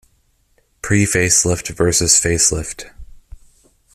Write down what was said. Pre-facelift versus Facelift.